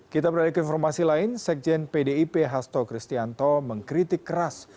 kita beralih ke informasi lain sekjen pdip hasto kristianto mengkritik keras